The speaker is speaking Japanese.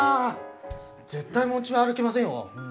ぜっ対持ち歩けませんよ。